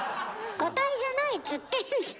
固体じゃないっつってんじゃん。